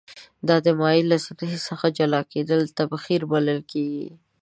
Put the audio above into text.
دا د مایع له سطحې څخه جلا کیدل تبخیر بلل کیږي.